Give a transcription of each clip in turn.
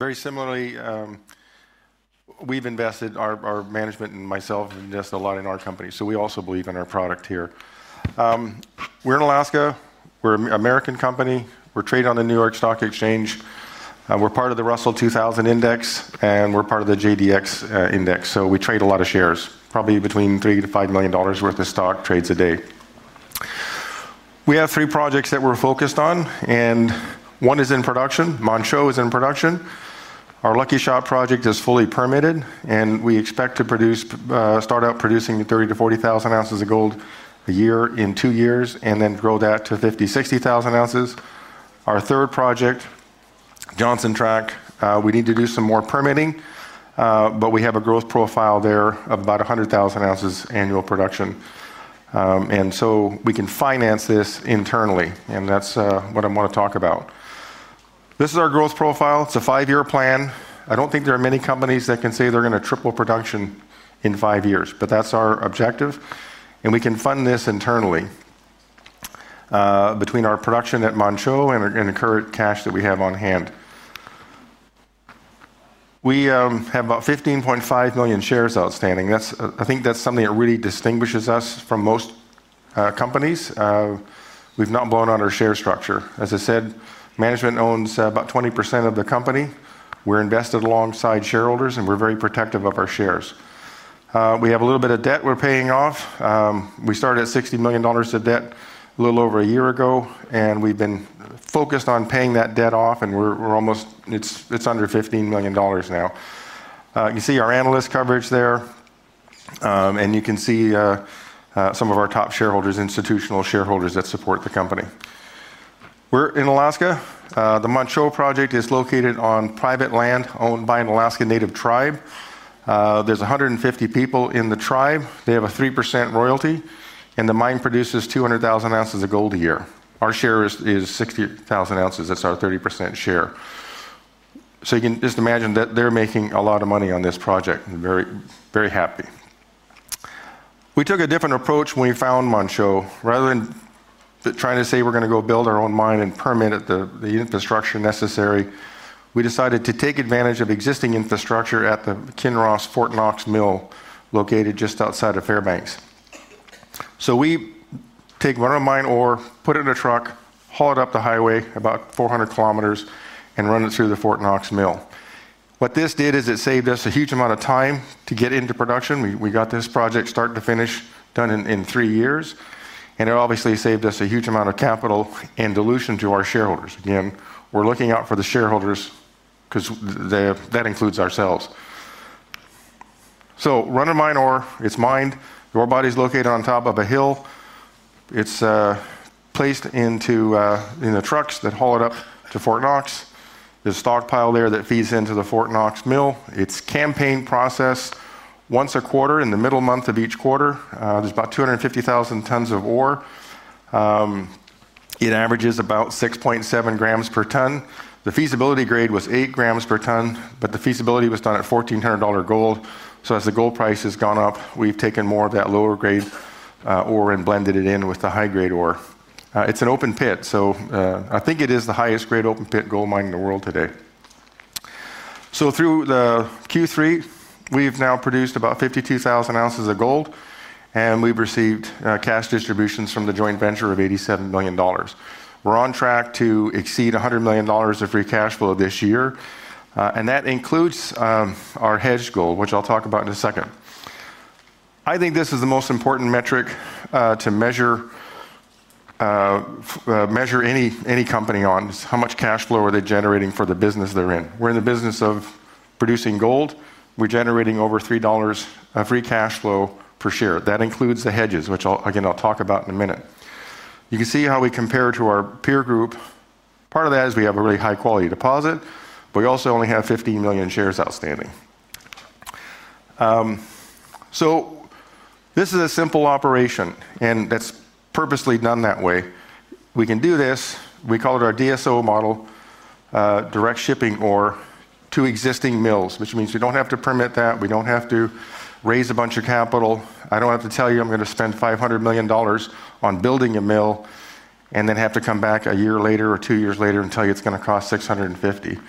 Very similarly, we've invested, our management and myself have invested a lot in our company, so we also believe in our product here. We're in Alaska. We're an American company. We trade on the New York Stock Exchange. We're part of the Russell 2000, and we're part of the JDX index. We trade a lot of shares, probably between $3 million-$5 million worth of stock trades a day. We have three projects that we're focused on, and one is in production. Manh Choh is in production. Our Lucky Shot project is fully permitted, and we expect to start out producing 30,000-40,000 ounces of gold a year in two years, and then grow that to 50,000-60,000 ounces. Our third project, Johnson Tract, we need to do some more permitting, but we have a growth profile there of about 100,000 ounces annual production. We can finance this internally, and that's what I want to talk about. This is our growth profile. It's a five-year plan. I don't think there are many companies that can say they're going to triple production in five years, but that's our objective. We can fund this internally between our production at Manh Choh and the current cash that we have on hand. We have about 15.5 million shares outstanding. I think that's something that really distinguishes us from most companies. We've not blown out our share structure. As I said, management owns about 20% of the company. We're invested alongside shareholders, and we're very protective of our shares. We have a little bit of debt we're paying off. We started at $60 million of debt a little over a year ago, and we've been focused on paying that debt off, and we're almost, it's under $15 million now. You see our analyst coverage there, and you can see some of our top shareholders, institutional shareholders that support the company. We're in Alaska. The Manh Choh project is located on private land owned by an Alaska Native corporation. There's 150 people in the corporation. They have a 3% royalty, and the mine produces 200,000 ounces of gold a year. Our share is 60,000 ounces. That's our 30% share. You can just imagine that they're making a lot of money on this project, very, very happy. We took a different approach when we found Manh Choh. Rather than trying to say we're going to go build our own mine and permit the infrastructure necessary, we decided to take advantage of existing infrastructure at the Kinross Gold Corporation Fort Knox Mill, located just outside of Fairbanks. We take one of our mine ore, put it in a truck, haul it up the highway about 400 km, and run it through the Fort Knox Mill. What this did is it saved us a huge amount of time to get into production. We got this project start to finish done in three years, and it obviously saved us a huge amount of capital and dilution to our shareholders. We're looking out for the shareholders because that includes ourselves. We run our mine ore, it's mined. The ore body is located on top of a hill. It's placed into the trucks that haul it up to Fort Knox. There's a stockpile there that feeds into the Fort Knox Mill. It's a campaign process. Once a quarter, in the middle month of each quarter, there's about 250,000 tons of ore. It averages about 6.7 grams per ton. The feasibility grade was 8 grams per ton, but the feasibility was done at $1,400 gold. As the gold price has gone up, we've taken more of that lower grade ore and blended it in with the high grade ore. It's an open pit, so I think it is the highest grade open pit gold mine in the world today. Through the Q3, we've now produced about 52,000 ounces of gold, and we've received cash distributions from the joint venture of $87 million. We're on track to exceed $100 million of free cash flow this year, and that includes our hedge gold, which I'll talk about in a second. I think this is the most important metric to measure any company on, is how much cash flow are they generating for the business they're in. We're in the business of producing gold. We're generating over $3 free cash flow per share. That includes the hedges, which I'll talk about in a minute. You can see how we compare to our peer group. Part of that is we have a really high quality deposit, but we also only have 15 million shares outstanding. This is a simple operation, and that's purposely done that way. We can do this. We call it our DSO model, direct shipping ore to existing mills, which means we don't have to permit that. We don't have to raise a bunch of capital. I don't have to tell you I'm going to spend $500 million on building a mill and then have to come back a year later or two years later and tell you it's going to cost $650.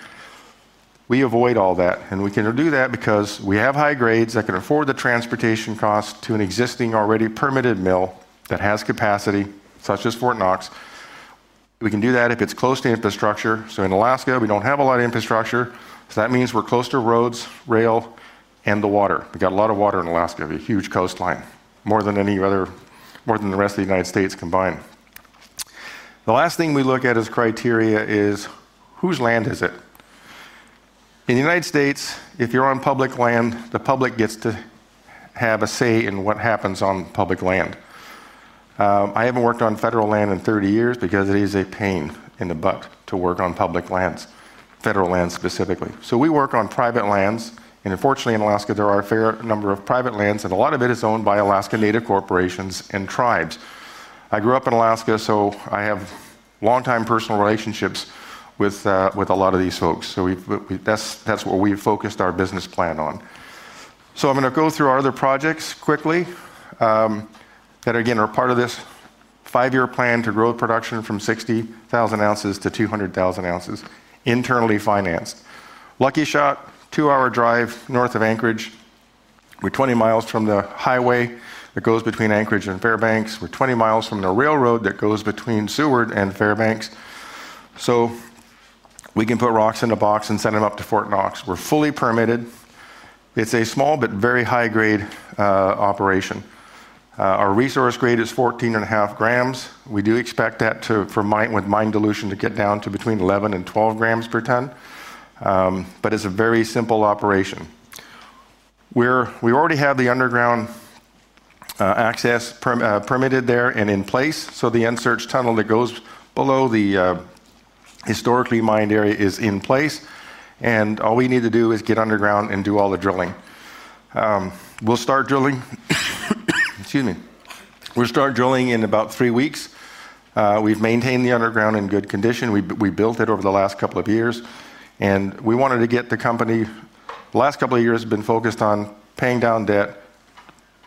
We avoid all that, and we can do that because we have high grades that can afford the transportation cost to an existing already permitted mill that has capacity, such as Fort Knox. We can do that if it's close to infrastructure. In Alaska, we don't have a lot of infrastructure. That means we're close to roads, rail, and the water. We've got a lot of water in Alaska. We have a huge coastline, more than any other, more than the rest of the United States combined. The last thing we look at as criteria is whose land is it? In the United States, if you're on public land, the public gets to have a say in what happens on public land. I haven't worked on federal land in 30 years because it is a pain in the butt to work on public lands, federal lands specifically. We work on private lands, and unfortunately, in Alaska, there are a fair number of private lands, and a lot of it is owned by Alaska Native corporations and tribes. I grew up in Alaska, so I have long-time personal relationships with a lot of these folks. That's what we focused our business plan on. I'm going to go through our other projects quickly that, again, are part of this five-year plan to grow production from 60,000 ounces-200,000 ounces, internally financed. Lucky Shot, two-hour drive north of Anchorage. We're 20 mi from the highway that goes between Anchorage and Fairbanks. We're 20 mi from the railroad that goes between Seward and Fairbanks. We can put rocks in a box and send them up to Fort Knox. We're fully permitted. It's a small but very high-grade operation. Our resource grade is 14.5 grams. We do expect that for mine with mine dilution to get down to between 11 grams and 12 grams per ton, but it's a very simple operation. We already have the underground access permitted there and in place. The inserts tunnel that goes below the historically mined area is in place, and all we need to do is get underground and do all the drilling. We'll start drilling in about three weeks. We've maintained the underground in good condition. We built it over the last couple of years, and we wanted to get the company. The last couple of years have been focused on paying down debt,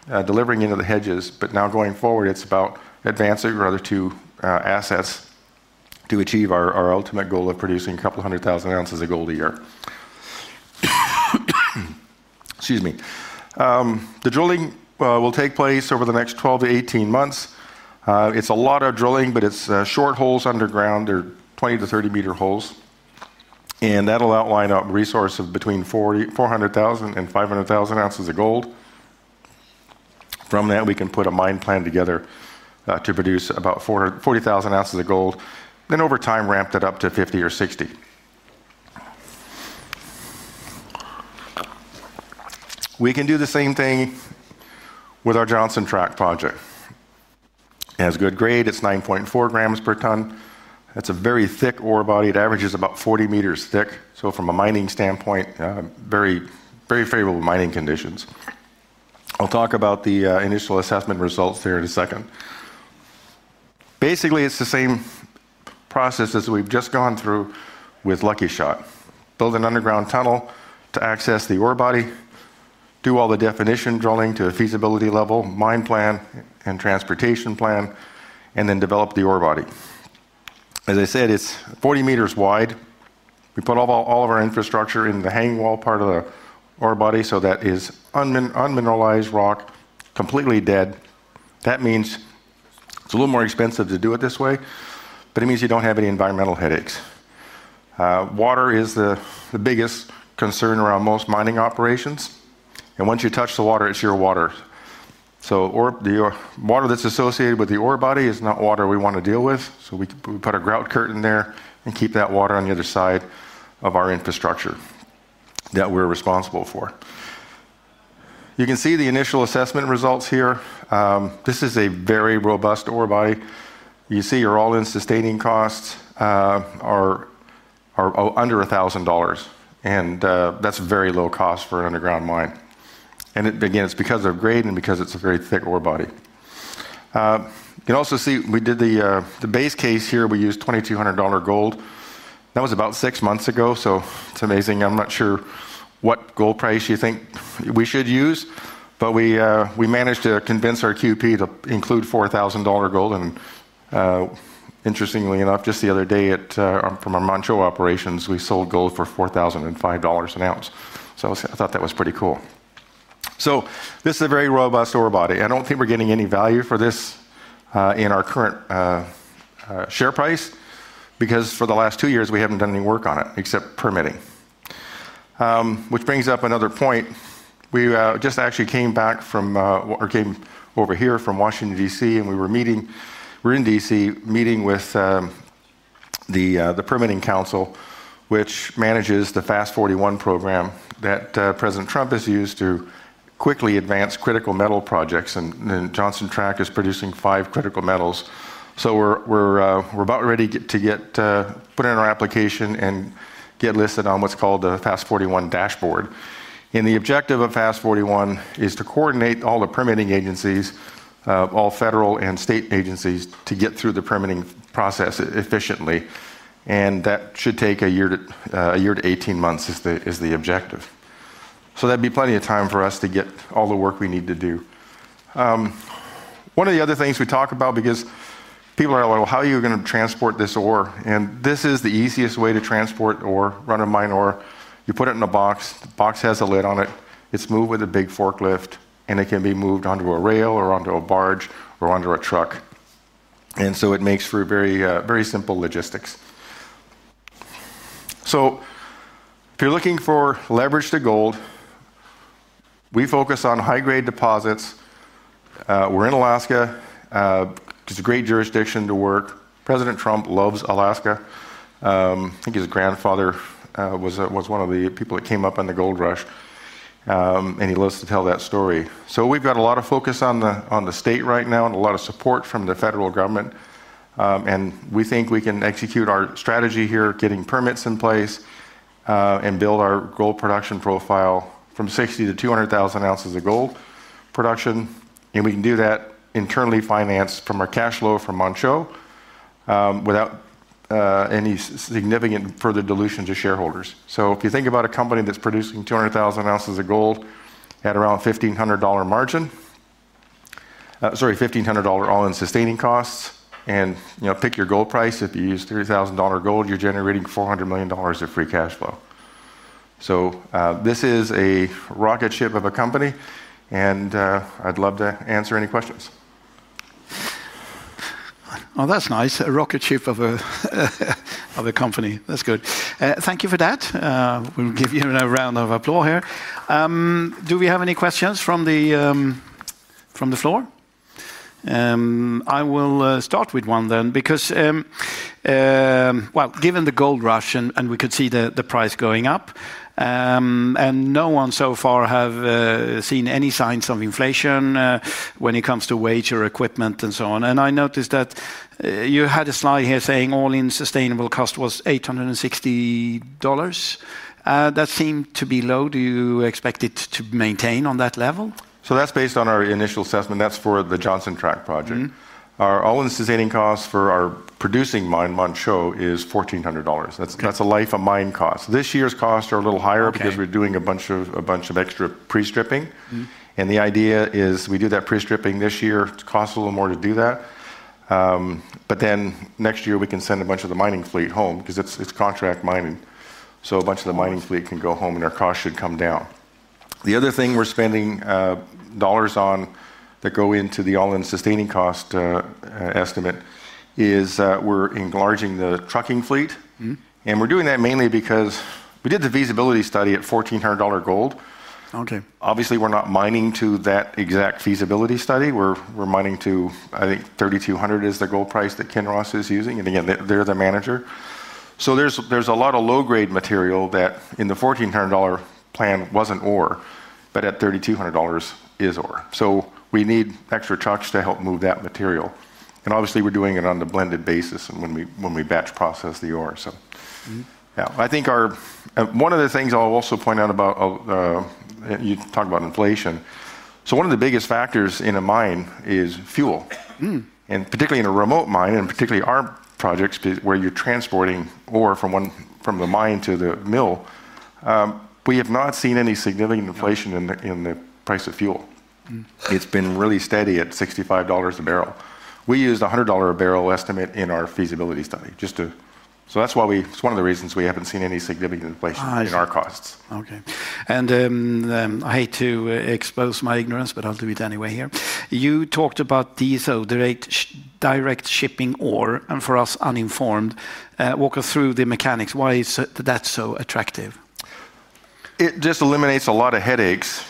delivering into the hedges, but now going forward, it's about advancing our other two assets to achieve our ultimate goal of producing a couple hundred thousand ounces of gold a year. Excuse me. The drilling will take place over the next 12-18 months. It's a lot of drilling, but it's short holes underground. They're 20-30 meter holes, and that'll outline out a resource of between 400,000 and 500,000 ounces of gold. From that, we can put a mine plan together to produce about 40,000 ounces of gold, then over time ramp it up to 50 or 60. We can do the same thing with our Johnson Tract project. It has good grade. It's 9.4 grams per ton. It's a very thick ore body. It averages about 40 meters thick. From a mining standpoint, very, very favorable mining conditions. I'll talk about the initial assessment results here in a second. Basically, it's the same process as we've just gone through with Lucky Shot. Build an underground tunnel to access the ore body, do all the definition drilling to a feasibility level, mine plan, and transportation plan, and then develop the ore body. As I said, it's 40 meters wide. We put all of our infrastructure in the hanging wall part of the ore body, so that is unmineralized rock, completely dead. That means it's a little more expensive to do it this way, but it means you don't have any environmental headaches. Water is the biggest concern around most mining operations, and once you touch the water, it's your water. The water that's associated with the ore body is not water we want to deal with. We put a grout curtain there and keep that water on the other side of our infrastructure that we're responsible for. You can see the initial assessment results here. This is a very robust ore body. You see your all-in sustaining costs are under $1,000, and that's very low cost for an underground mine. Again, it's because of grade and because it's a very thick ore body. You can also see we did the base case here. We used $2,200 gold. That was about six months ago, so it's amazing. I'm not sure what gold price you think we should use, but we managed to convince our QP to include $4,000 gold. Interestingly enough, just the other day from our Manh Choh operations, we sold gold for $4,005 an ounce. I thought that was pretty cool. This is a very robust ore body. I don't think we're getting any value for this in our current share price because for the last two years, we haven't done any work on it except permitting, which brings up another point. We just actually came back from, or came over here from Washington, D.C., and we were meeting, we're in D.C., meeting with the permitting council, which manages the federal FAST-41 permitting program that President Trump has used to quickly advance critical metal projects. Johnson Tract is producing five critical metals. We're about ready to get put in our application and get listed on what's called the FAST-41 dashboard. The objective of the federal FAST-41 permitting program is to coordinate all the permitting agencies, all federal and state agencies, to get through the permitting process efficiently. That should take a year to 18 months, which is the objective. That would be plenty of time for us to get all the work we need to do. One of the other things we talk about, because people are like, how are you going to transport this ore? This is the easiest way to transport ore, run-of-mine ore. You put it in a box. The box has a lid on it. It's moved with a big forklift, and it can be moved onto a rail or onto a barge or onto a truck. It makes for very simple logistics. If you're looking for leverage to gold, we focus on high-grade deposits. We're in Alaska. It's a great jurisdiction to work. President Trump loves Alaska. I think his grandfather was one of the people that came up in the gold rush, and he loves to tell that story. We've got a lot of focus on the state right now and a lot of support from the federal government. We think we can execute our strategy here, getting permits in place, and build our gold production profile from 60,000-200,000 ounces of gold production. We can do that internally financed from our cash flow from the Manh Choh project without any significant further dilution to shareholders. If you think about a company that's producing 200,000 ounces of gold at around $1,500 all-in sustaining costs, and you know, pick your gold price. If you use $3,000 gold, you're generating $400 million of free cash flow. This is a rocket ship of a company, and I'd love to answer any questions. Oh, that's nice. A rocket ship of a company. That's good. Thank you for that. We'll give you a round of applause here. Do we have any questions from the floor? I will start with one then because, given the gold rush, and we could see the price going up, and no one so far has seen any signs of inflation when it comes to wage or equipment and so on. I noticed that you had a slide here saying all-in sustaining cost was $860. That seemed to be low. Do you expect it to maintain on that level? That's based on our initial assessment. That's for the Johnson Tract project. Our all-in sustaining cost for our producing mine Manh Choh is $1,400. That's a life of mine cost. This year's costs are a little higher because we're doing a bunch of extra pre-stripping. The idea is we do that pre-stripping this year. It costs a little more to do that, but then next year, we can send a bunch of the mining fleet home because it's contract mining. A bunch of the mining fleet can go home, and our cost should come down. The other thing we're spending dollars on that go into the all-in sustaining cost estimate is we're enlarging the trucking fleet. We're doing that mainly because we did the feasibility study at $1,400 gold. Obviously, we're not mining to that exact feasibility study. We're mining to, I think, $3,200 is the gold price that Kinross is using. They're the manager. There's a lot of low-grade material that in the $1,400 plan wasn't ore, but at $3,200 is ore. We need extra trucks to help move that material. Obviously, we're doing it on the blended basis when we batch process the ore. I think one of the things I'll also point out about, you talk about inflation. One of the biggest factors in a mine is fuel. Particularly in a remote mine, and particularly our projects where you're transporting ore from the mine to the mill, we have not seen any significant inflation in the price of fuel. It's been really steady at $65 a bbl. We use a $100 a bbl estimate in our feasibility study. That's why we, it's one of the reasons we haven't seen any significant inflation in our costs. I hate to expose my ignorance, but I'll do it anyway here. You talked about DSO, direct shipping ore, and for us uninformed, walk us through the mechanics. Why is that so attractive? It just eliminates a lot of headaches,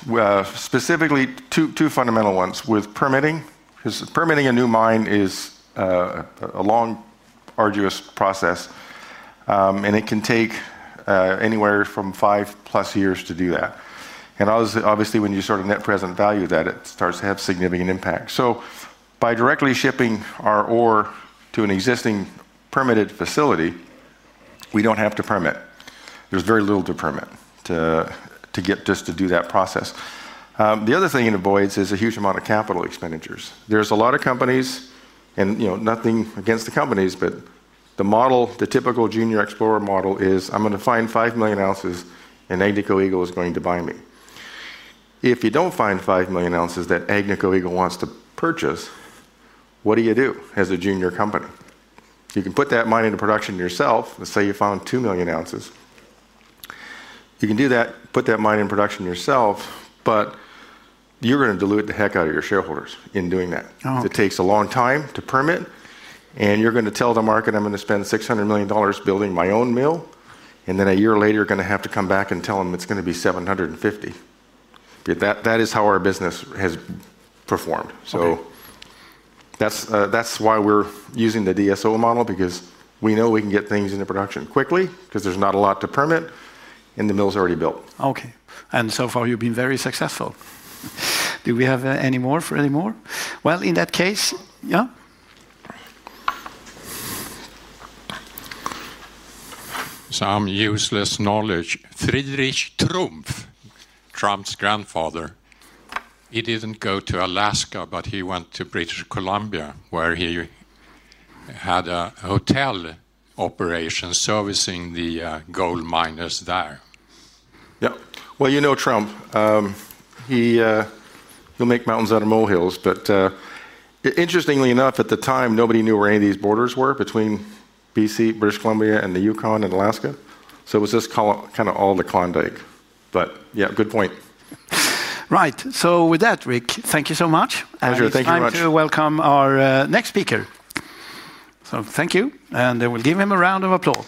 specifically two fundamental ones with permitting, because permitting a new mine is a long, arduous process. It can take anywhere from 5+ years to do that. Obviously, when you sort of net present value that, it starts to have significant impact. By directly shipping our ore to an existing permitted facility, we don't have to permit. There's very little to permit to get just to do that process. The other thing it avoids is a huge amount of capital expenditures. There's a lot of companies, and nothing against the companies, but the model, the typical junior explorer model is, I'm going to find 5 million ounces, and Agnico Eagle is going to buy me. If you don't find 5 million ounces that Agnico Eagle wants to purchase, what do you do as a junior company? You can put that mine into production yourself. Let's say you found 2 million ounces. You can do that, put that mine in production yourself, but you're going to dilute the heck out of your shareholders in doing that. It takes a long time to permit, and you're going to tell the market, I'm going to spend $600 million building my own mill, and then a year later, you're going to have to come back and tell them it's going to be $750 million. That is how our business has performed. That's why we're using the direct shipping ore (DSO) model, because we know we can get things into production quickly, because there's not a lot to permit, and the mill is already built. OK. So far, you've been very successful. Do we have any more for any more? In that case, yeah. Some useless knowledge. Frederick Trump, Trump's grandfather, he didn't go to Alaska, but he went to British Columbia, where he had a hotel operation servicing the gold miners there. Yeah, you know Trump. He'll make mountains out of molehills. Interestingly enough, at the time, nobody knew where any of these borders were between British Columbia, the Yukon, and Alaska. It was just kind of all the Klondike. Yeah, good point. Right. With that, Rick, thank you so much. Pleasure. Thank you very much. You're welcome our next speaker. Thank you, and we'll give him a round of applause.